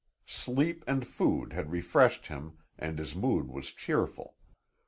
Sleep and food had refreshed him and his mood was cheerful.